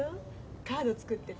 カード作ってた。